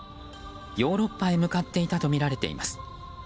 ヨーロッパへ向かっていたとみられています。